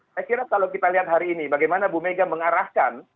saya kira kalau kita lihat hari ini bagaimana bu mega mengarahkan